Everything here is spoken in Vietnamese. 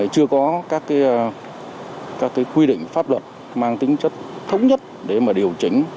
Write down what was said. chưa có các quy định pháp luật mang tính chất thống nhất để mà điều chỉnh